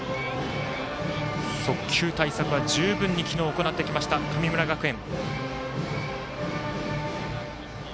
速球対策は十分に昨日、行ってきました神村学園。